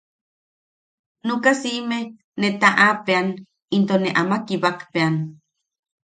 Nuʼuka siʼime ne taʼapeʼan into ne ama kibakpeʼan.